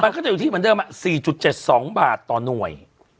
มันก็จะอยู่ที่เหมือนเดิม๔๗๒บาทต่อหน่วย